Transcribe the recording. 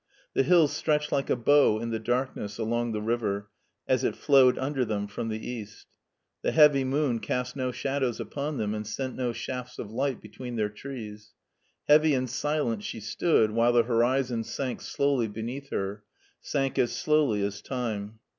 The hills stretched like a bow in the darkness along the river as it flowed mider them from the east The heavy moon ca3t no shadows upon them and sent no shafts of light between their trees. Heavy and silent she stood, while the horizon sank slowly beneath her, sank as slowly as time.